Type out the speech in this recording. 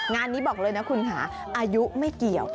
งานนี้บอกเลยนะคุณค่ะอายุไม่เกี่ยว